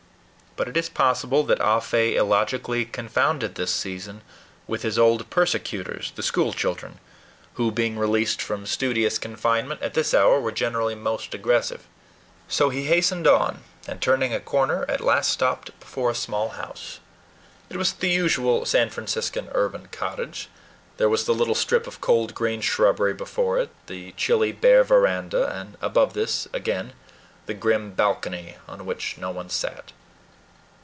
But it is possible that Ah Fe illogically confounded this season with his old persecutors, the schoolchildren, who, being released from studious confinement, at this hour were generally most aggressive. So he hastened on, and turning a corner, at last stopped before a small house. It was the usual San Franciscan urban cottage. There was the little strip of cold green shrubbery before it; the chilly, bare veranda, and above this, again, the grim balcony, on which no one sat.